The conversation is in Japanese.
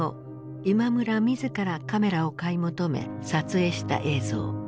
今村自らカメラを買い求め撮影した映像。